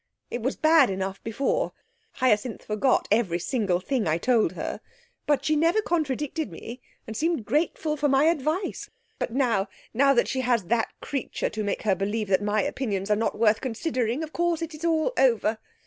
It was bad enough before; Hyacinth forgot every single thing I told her, but she never contradicted me and seemed grateful for my advice. But now now that she has that creature to make her believe that my opinions are not worth considering, of course it is all over.